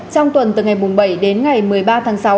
trong tuần từ ngày bảy đến ngày một mươi ba tháng sáu